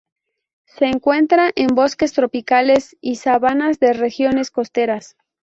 Se encuentra en bosques tropicales y sabanas de regiones costeras.